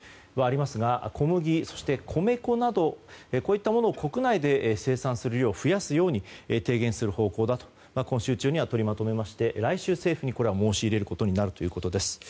まず自民党からの提言案ということではありますが小麦、米粉などこういったものを国内で生産するよう増やすように提言する方向だと今週中に取りまとめて来週、政府に申し入れることになるということです。